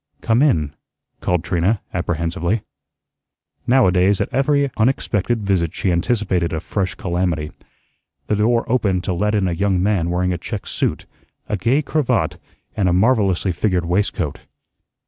"Come in," called Trina, apprehensively. Now a days at every unexpected visit she anticipated a fresh calamity. The door opened to let in a young man wearing a checked suit, a gay cravat, and a marvellously figured waistcoat.